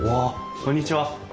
こんにちは。